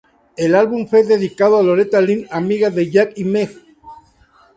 El álbum fue dedicado a Loretta Lynn, amiga de Jack y Meg.